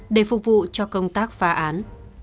để phục vụ cho công tác phá án